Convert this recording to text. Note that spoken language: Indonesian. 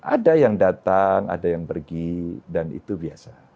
ada yang datang ada yang pergi dan itu biasa